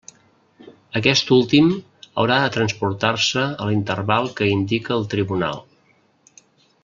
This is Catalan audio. Aquest últim haurà de transportar-se a l'interval que indique el tribunal.